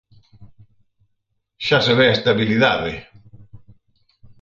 ¡Xa se ve a estabilidade!